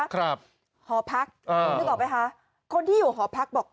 หอพักอ่านึกออกไหมคะคนที่อยู่หอพักบอก